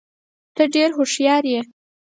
ته ډېر هوښیار یې.